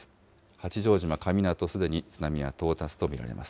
八丈島神湊、すでに津波は到達と見られています。